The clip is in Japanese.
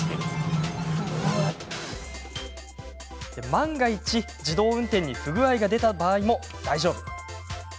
万が一、自動運転に不具合が出た場合も大丈夫。